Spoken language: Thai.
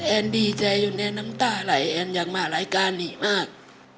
ดีใจอยู่ในน้ำตาไหลแอนอยากมารายการนี้มาก